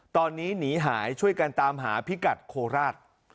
ตอนนี้หนีหายช่วยกันตามหาพิกัดโคราช